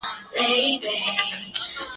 د خان ورور هغه تعویذ وو پرانیستلی ..